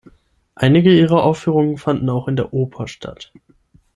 Einige ihrer Aufführungen fanden auch in der Oper statt.